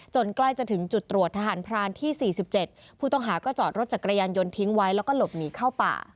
ใกล้จะถึงจุดตรวจทหารพรานที่๔๗ผู้ต้องหาก็จอดรถจักรยานยนต์ทิ้งไว้แล้วก็หลบหนีเข้าป่า